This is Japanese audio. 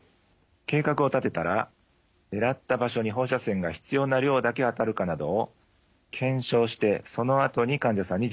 計画を立てたら狙った場所に放射線が必要な量だけ当たるかなどを検証してそのあとに患者さんに実施します。